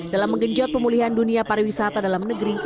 dalam menggenjot pemulihan dunia pariwisata dalam negeri